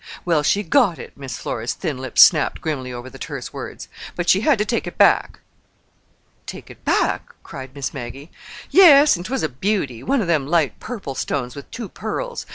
"Well, she got it." Miss Flora's thin lips snapped grimly over the terse words. "But she had to take it back." "Take it back!" cried Miss Maggie. "Yes. And 'twas a beauty—one of them light purple stones with two pearls.